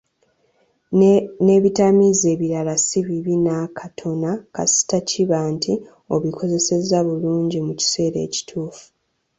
N’ebitamiiza ebirala si bibi n’akatona kasita kiba nti obikozesezza bulungi mu kiseera ekituufu.